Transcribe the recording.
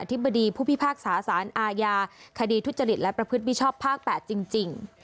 ธิบดีผู้พิพากษาสารอาญาคดีทุจริตและประพฤติมิชชอบภาค๘จริง